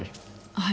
はい